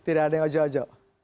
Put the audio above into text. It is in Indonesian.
tidak ada yang ngojok ngojok